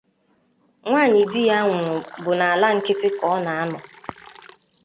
nwaanyị di ya nwụrụ bụ n'ala nkịtị ka ọ na-anọ